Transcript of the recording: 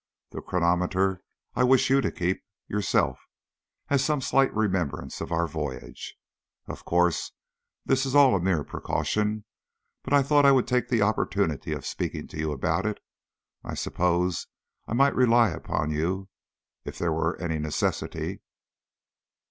The chronometer I wish you to keep yourself as some slight remembrance of our voyage. Of course all this is a mere precaution, but I thought I would take the opportunity of speaking to you about it. I suppose I might rely upon you if there were any necessity?"